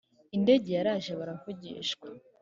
indege yaraje baravugishwa